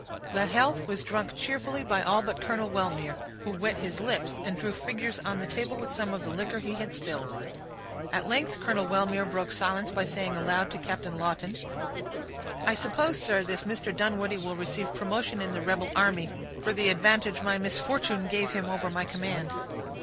The health was drunk cheerfully by all but Colonel Wellmere, who wet his lips, and drew figures on the table with some of the liquor he had spilled. At length Colonel Wellmere broke silence by saying aloud to Captain Lawton,— "I suppose, sir, this Mr. Dunwoodie will receive promotion in the rebel army, for the advantage my misfortune gave him over my command."